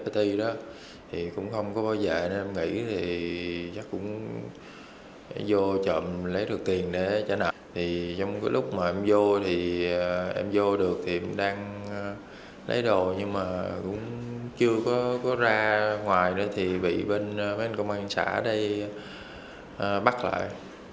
thì em vô được thì em đang lấy đồ nhưng mà cũng chưa có ra ngoài nữa thì bị bên công an xã đây bắt lại